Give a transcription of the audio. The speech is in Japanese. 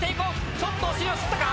ちょっとお尻を擦ったか！？